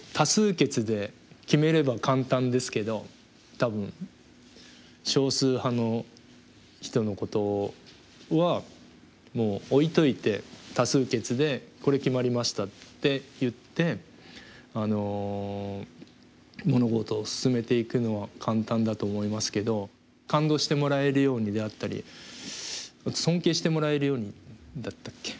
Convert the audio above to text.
多分少数派の人のことはもう置いといて多数決で「これ決まりました」って言って物事を進めていくのは簡単だと思いますけど感動してもらえるようにであったり尊敬してもらえるようにだったっけ？